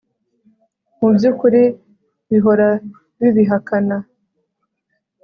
mubyukuri bihora bibihakana